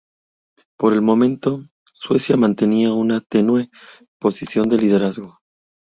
Por el momento, Suecia mantenía una tenue posición de liderazgo.